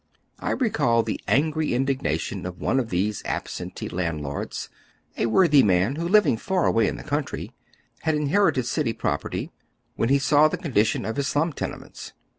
I recall tlie angry indignation of one of these absentee landlords, a worthy man who, living far away in the eounti'v, had inherited city property, when he saw the condition of his slum tenements.